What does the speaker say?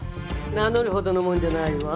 名乗るほどのもんじゃないわ。